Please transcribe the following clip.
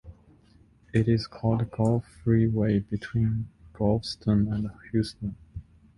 It is called Gulf Freeway between Galveston and Houston.